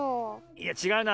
いやちがうな。